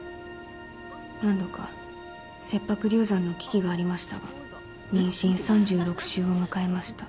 何度か切迫流産の危機がありましたが妊娠３６週を迎えました。